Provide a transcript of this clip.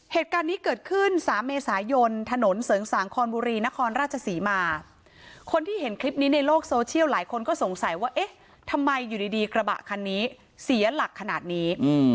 เหตุการณ์นี้เกิดขึ้น๓เมษายนถนนเสริงสางคอนบุรีนครราชศรีมาคนที่เห็นคลิปนี้ในโลกโซเชียลหลายคนก็สงสัยว่าเอ๊ะทำไมอยู่ดีกระบะคันนี้เสียหลักขนาดนี้